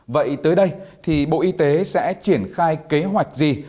vậy tới đây thì bộ y tế sẽ triển khai kế hoạch gì